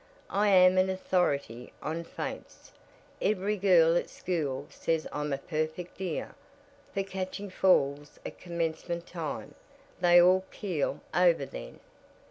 "I am an authority on faints. Every girl at school says I'm a perfect dear, for catching falls at commencement time. They all keel over then."